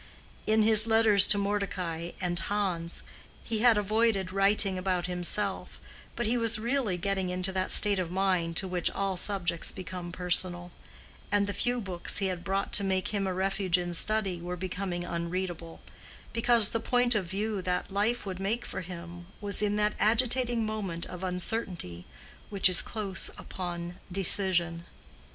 In his letters to Mordecai and Hans, he had avoided writing about himself, but he was really getting into that state of mind to which all subjects become personal; and the few books he had brought to make him a refuge in study were becoming unreadable, because the point of view that life would make for him was in that agitating moment of uncertainty which is close upon decision.